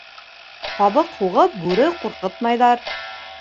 Ҡабык һуғып, бүре ҡурҡытмайҙар.